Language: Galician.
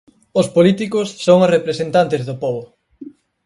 Os políticos son os representantes do pobo.